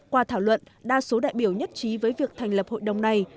qua thảo luận đa số đại biểu nhất trí với việc thành lập hội đồng này